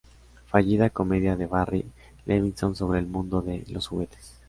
Fallida comedia de Barry Levinson sobre el mundo de los juguetes.